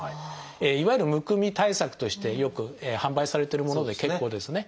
いわゆるむくみ対策としてよく販売されてるもので結構ですね。